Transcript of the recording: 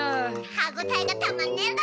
歯応えがたまんねえだ。